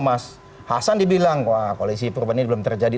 mas hasan dibilang wah koalisi perubahan ini belum terjadi